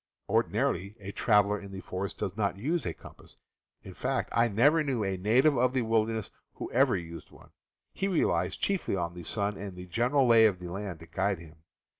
Ordinarily a traveler in the .. forest does not use a compass — in fact ^. J I never knew a native of the wilderness who ever used one — he relies chiefly on the sun and the general lay of the land to guide him.